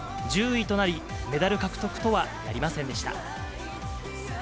１０位となり、メダル獲得とはなりませんでした。